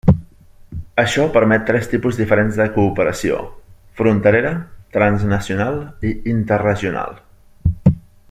Això permet tres tipus diferents de cooperació: fronterera, transnacional i interregional.